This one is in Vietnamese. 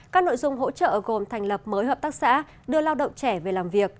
các nội dung hỗ trợ gồm thành lập mới hợp tác xã đưa lao động trẻ về làm việc